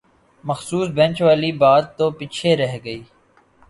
مخصوص بینچ والی بات تو پیچھے رہ گئی